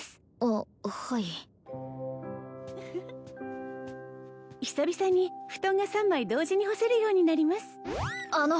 あはい久々に布団が３枚同時に干せるようになりますあの！